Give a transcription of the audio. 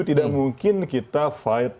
tidak mungkin kita fight